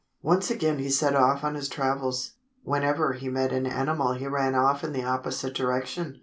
Once again he set off on his travels. Whenever he met an animal he ran off in the opposite direction.